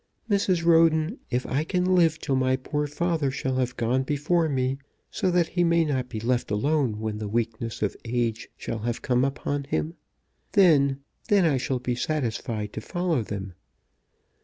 Mrs. Roden, if I can live till my poor father shall have gone before me, so that he may not be left alone when the weakness of age shall have come upon him, then, then I shall be satisfied to follow them.